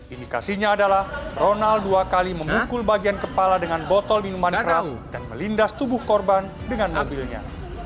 indikasinya adalah ronald dua kali memukul bagian kepala dengan botol minuman keras dan melindas tubuh korban dengan mobilnya